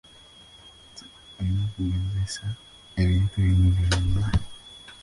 Olina okukozesa ebintu bino byombi.